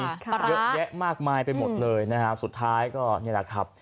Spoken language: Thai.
เยอะแยะมากมายไปหมดเลยนะฮะสุดท้ายก็นี่แหละครับ